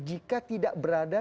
jika tidak berada